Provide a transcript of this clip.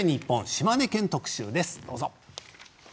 島根県特集です。